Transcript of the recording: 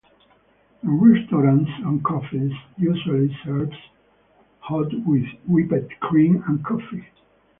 In restaurants and cafes usually served hot with whipped cream and coffee.